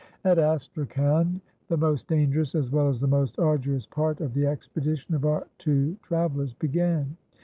At Astrakhan the most dangerous as well as the most arduous part of the expedition of our two travellers began.